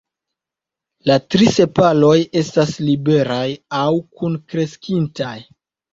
La tri sepaloj estas liberaj aŭ kunkreskintaj.